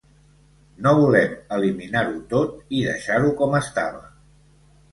No volem eliminar-ho tot i deixar-ho com estava.